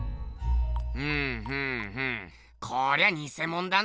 ふんふんふんこりゃニセモンだな。